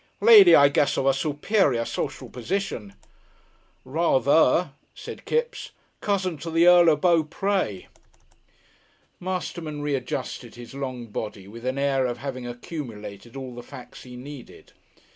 Lady, I guess, of a superior social position?" "Rather," said Kipps. "Cousin to the Earl of Beauprés." Masterman readjusted his long body with an air of having accumulated all the facts he needed.